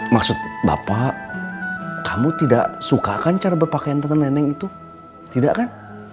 maksud bapak kamu tidak sukakan cara berpakaian tante neneng itu tidak kan